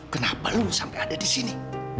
kenapa lu sampai ada di sini